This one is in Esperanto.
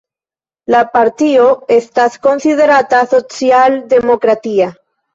La partio estas konsiderata socialdemokratia.